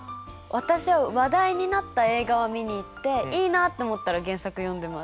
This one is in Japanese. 私は話題になった映画はみに行っていいなと思ったら原作読んでます。